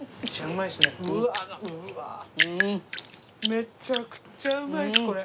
めちゃくちゃうまいっすこれ。